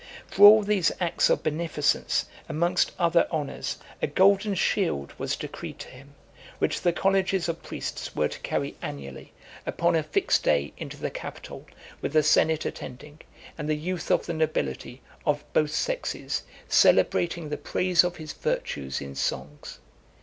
For all these acts of beneficence, amongst other honours, a golden shield was decreed to him, which the colleges of priests were to carry annually, upon a fixed day, into the Capitol, with the senate attending, and the youth of the nobility, of both sexes, celebrating the praise of his virtues in (262) songs.